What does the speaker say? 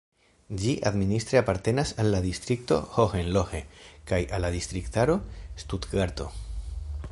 Ĝi administre apartenas al la distrikto Hohenlohe kaj al la distriktaro Stutgarto.